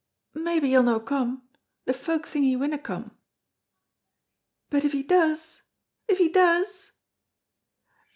"Maybe he'll no come. The folk think he winna come." "But if he does, if he does!"